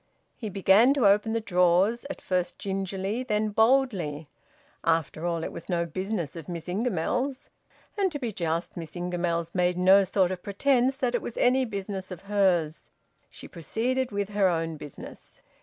He began to open the drawers, at first gingerly, then boldly; after all it was no business of Miss Ingamells's! And, to be just, Miss Ingamells made no sort of pretence that it was any business of hers. She proceeded with her own business.